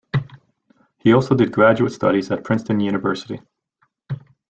He also did graduate studies at Princeton University.